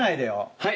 はい。